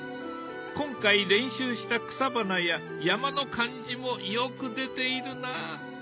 今回練習した草花や山の感じもよく出ているな。